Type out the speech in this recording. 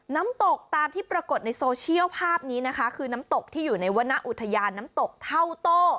น้ำตกตามที่ปรากฏในโซเชียลภาพนี้นะคะคือน้ำตกที่อยู่ในวรรณอุทยานน้ำตกเท่าโต้